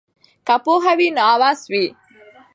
که پوهه وي نو هوس وي.